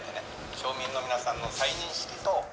町民の皆さんの再認識と」